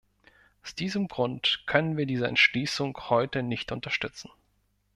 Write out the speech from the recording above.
Aus diesem Grund können wir diese Entschließung heute nicht unterstützen.